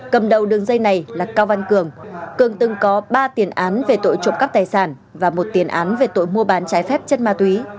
cầm đầu đường dây này là cao văn cường cường từng có ba tiền án về tội trộm cắp tài sản và một tiền án về tội mua bán trái phép chất ma túy